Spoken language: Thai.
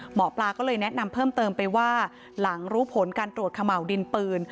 หมอปลาก็เลยแนะนำเพิ่มเติมไปว่าหลังรู้ผลการตรวจเขม่าวดินปืน